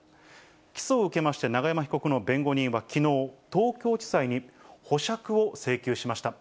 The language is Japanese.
起訴を受けまして永山被告の弁護人はきのう、東京地裁に保釈を請求しました。